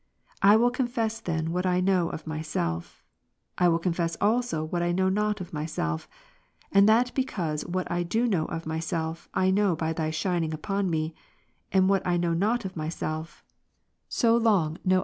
I will confess then what I know of my self, I will confess also what I know not of myself. And that because what I do know of myself, I know by Thy shining upon me ; and what I know not of myself, so long know I c Against his Manichajan errors ; see above, b.